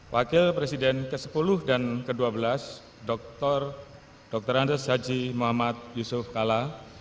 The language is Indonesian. wakil presiden ke sepuluh dan ke dua belas dr andes haji muhammad yusuf kala